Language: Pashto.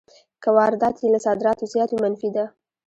که واردات یې له صادراتو زیات وي منفي ده